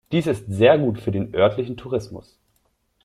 Dies ist sehr gut für den örtlichen Tourismus.